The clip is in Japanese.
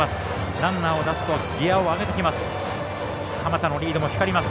ランナーを出すとギヤを上げてきます。